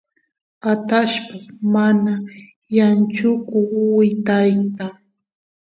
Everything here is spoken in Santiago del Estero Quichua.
atallpas mana yachanku wytayta